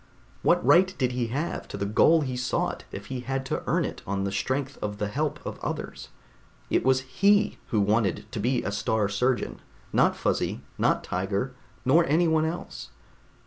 What right did he have to the goal he sought if he had to earn it on the strength of the help of others? It was he who wanted to be a Star Surgeon not Fuzzy, not Tiger, nor anyone else.